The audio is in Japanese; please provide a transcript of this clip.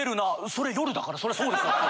それ夜だからそらそうでしょう！